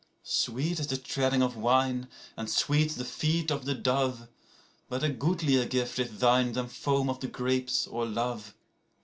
5Sweet is the treading of wine, and sweet the feet of the dove;6But a goodlier gift is thine than foam of the grapes or love.